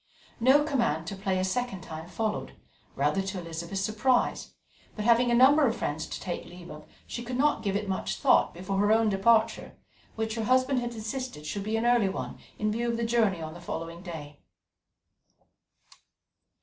No command to play a second time followed, rather to Elizabeth's surprise, but having a number of friends to take leave of, she could not give it much thought before her own departure, which her husband had insisted should be an early one, in view of the journey on the following day.